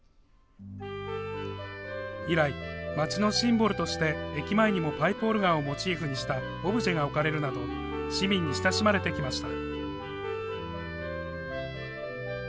以来、街のシンボルとして駅前にもパイプオルガンをモチーフにしたオブジェが置かれるなど市民に親しまれてきました。